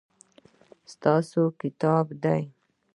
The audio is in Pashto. دا ستا کتاب دی.